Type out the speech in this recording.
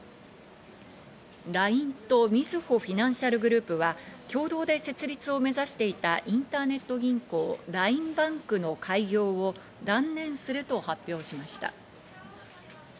ＬＩＮＥとみずほフィナンシャルグループは共同で設立を目指していたインターネット銀行、ＬＩＮＥＢａｎｋの開業を断念すると発表しました。